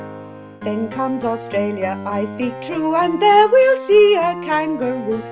Then comes Australia (I speak true), And there we'll see a kangaroo.